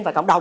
và cộng đồng